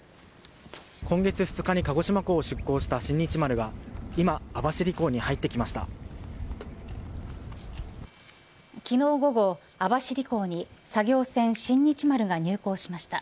今月２日に鹿児島港出庫した新日丸は今、網走港に入ってきました。